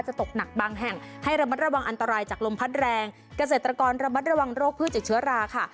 ตกหนักบางแห่งให้ระมัดระวังอันตรายจากลมพัดแรงเกษตรกรระมัดระวังโรคพืชติดเชื้อราค่ะ